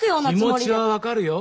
気持ちは分かるよ。